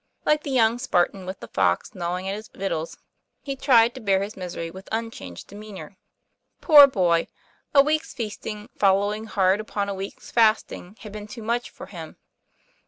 Like the young Spartan with the fox gnawing at his vitals, he tried to bear his misery with unchanged demeanor. Poor boy! a week's feasting following hard upon a week's fasting had been too much for him.